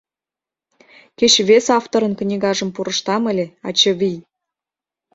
Кеч вес авторын книгажым пурыштам ыле, ачывий!